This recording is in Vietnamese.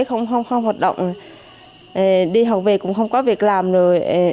không hoạt động đi học về cũng không có việc làm nữa